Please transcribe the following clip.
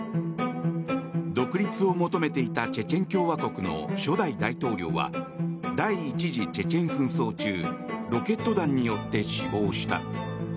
独立を求めていたチェチェン共和国の初代大統領は第１次チェチェン紛争中ロケット弾によって死亡した。